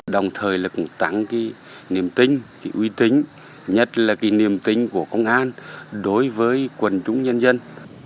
đồng thời là cũng tăng cái niềm tính cái uy tính nhất là cái niềm tính của công an đối với quần chúng nhân dân